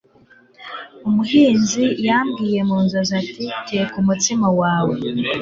Umuhinzi yambwiye mu nzozi ati Teka umutsima wawe